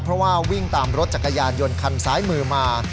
เพราะว่าวิ่งตามรถจักรยานยนต์คันซ้ายมือมา